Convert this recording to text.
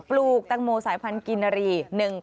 ปลูกตังโมสายพันธ์กินนารี๑๘๘